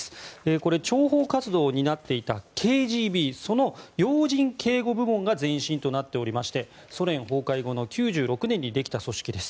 これ、諜報活動を担っていたＫＧＢその要人警護部門が前身となっていましてソ連崩壊後の９６年にできた組織です。